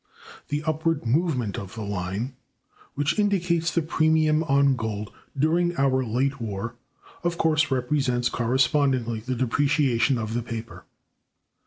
The upward movement of the line, which indicates the premium on gold during our late war, of course represents correspondingly the depreciation of the paper.